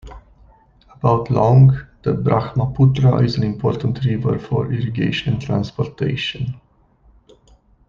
About long, the Brahmaputra is an important river for irrigation and transportation.